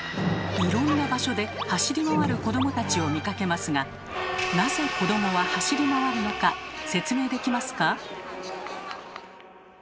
いろんな場所で走り回る子どもたちを見かけますがなぜ子どもは走り回るのか説明できますか？